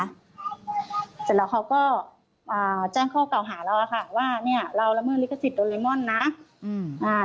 เสร็จแล้วเขาก็แจ้งข้อก่าวหาเราว่า